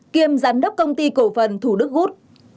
kiêm giám đốc công ty cổ phần thủ đức gút